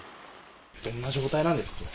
どんな状態なんですか？